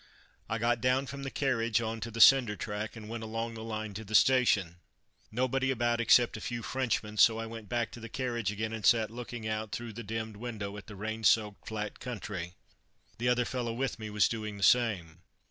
I got down from the carriage on to the cinder track, and went along the line to the station. Nobody about except a few Frenchmen, so I went back to the carriage again, and sat looking out through the dimmed window at the rain soaked flat country. The other fellow with me was doing the same.